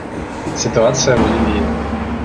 Ситуация в Ливии.